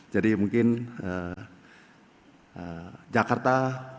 jadi mungkin jakarta empat puluh delapan